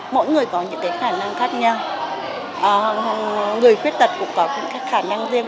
mỗi người có những khả năng khác nhau người khuyết tật cũng có những khả năng riêng